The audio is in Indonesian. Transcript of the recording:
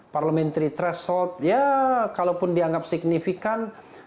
parliamentary threshold ya kalaupun dianggap signifikan